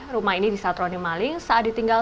rumah ini disatroni maling saat ditinggal